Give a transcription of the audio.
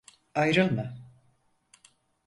Ayrılma.